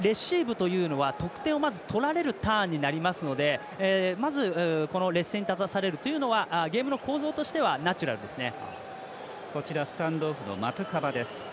ただキックオフレシーブというのは得点をまず取られるターンになりますのでまず、この劣勢に立たされるというのはゲームの構造としてはナチュラルですね。